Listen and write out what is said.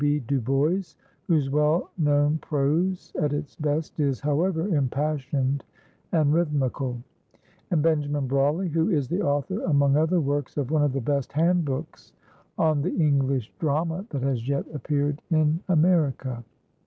B. Du Bois whose well known prose at its best is, however, impassioned and rhythmical; and Benjamin Brawley who is the author, among other works, of one of the best handbooks on the English drama that has yet appeared in America.